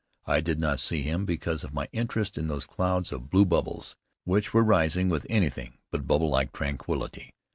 I did not see him, because of my interest in those clouds of blue bubbles which were rising with anything but bubble like tranquillity.